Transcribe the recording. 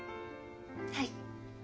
はい。